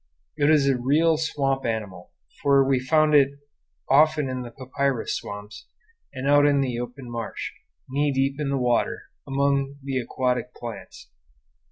It is a real swamp animal, for we found it often in the papyrus swamps, and out in the open marsh, knee deep in the water, among the aquatic plants.